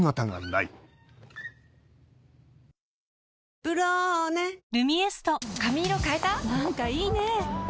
なんかいいね！